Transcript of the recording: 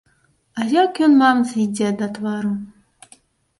А як ён мамцы ідзе да твару!